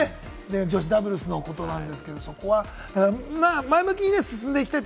女子ダブルスのことなんですけれども、前向きに進んでいきたいと。